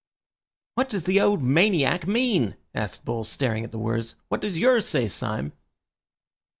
_" "What does the old maniac mean?" asked Bull, staring at the words. "What does yours say, Syme?"